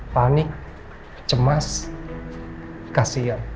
panik cemas kasihan